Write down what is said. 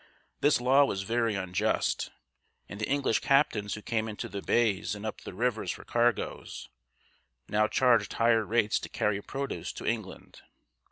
This law was very unjust, and the English captains who came into the bays and up the rivers for cargoes, now charged higher rates to carry produce to England.